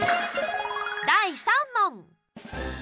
第３問！